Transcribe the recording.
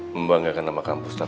semoga kamu yang berp estructur